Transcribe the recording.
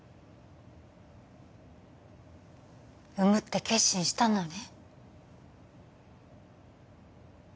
産むって決心したのね？